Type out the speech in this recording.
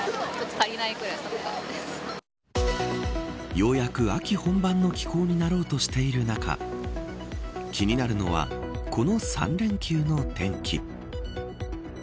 ようやく、秋本番の気候になろうとしている中気になるのはこの３連休の天気。